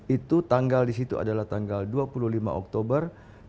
itu tanggal di situ adalah tanggal dua puluh lima oktober dua ribu dua puluh